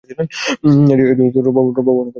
এটি রৌপ্য বর্ণের ধাতব পদার্থ।